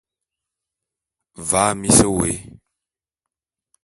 Avaa mis wôé.